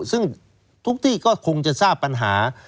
ซึ่งทุกที่ก็คงจะทราบปัญหา